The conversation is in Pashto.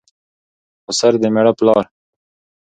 خسر دمېړه پلار